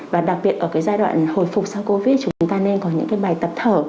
và đặc biệt ở cái giai đoạn hồi phục sau covid thì chúng ta nên có những cái bài tập thở